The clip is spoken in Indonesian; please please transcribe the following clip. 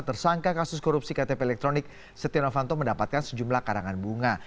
tersangka kasus korupsi ktp elektronik setia novanto mendapatkan sejumlah karangan bunga